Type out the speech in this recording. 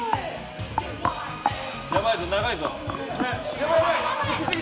やばいぞ、長いぞ。